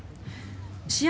試合